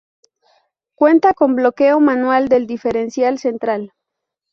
Cuenta con bloqueo manual del diferencial central.